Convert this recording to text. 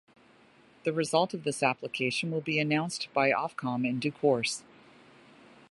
The result of this application will be announced by Ofcom in due course.